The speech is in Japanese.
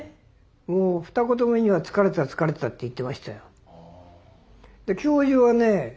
もう二言目には疲れた疲れたって言ってましたよ。